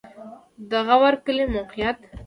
د غور کلی موقعیت